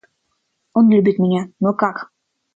Он любит меня — но как?